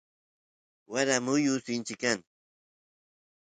wayra muyu sinchi kan